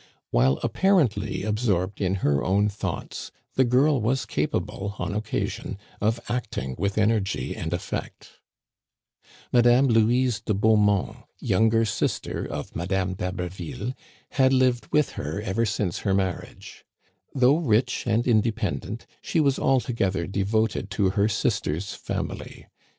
While apparently absorbed in her own thoughts, the girl was capable, on occasion, of acting with energy and effect. Madame Louise de Beaumont, younger sister of Digitized by VjOOQIC D'HABER VILLE MANOR HOUSE. 105 Madame d'Haberville, had lived with her ever since her marriage. Though rich and independent, she was alto gether devoted to her sister's family.